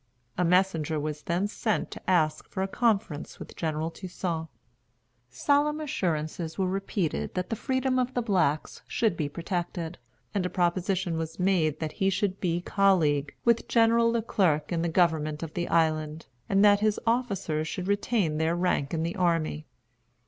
A messenger was then sent to ask for a conference with General Toussaint. Solemn assurances were repeated that the freedom of the blacks should be protected; and a proposition was made that he should be colleague with General Le Clerc in the government of the island, and that his officers should retain their rank in the army.